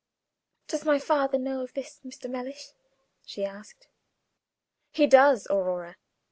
"Does my father know of this, Mr. Mellish?" she asked. "He does, Aurora.